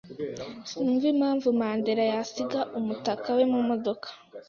Sinumva impamvu Mandera yasiga umutaka we mumodoka.